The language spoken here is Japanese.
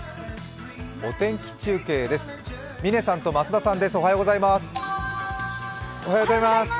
お天気中継です。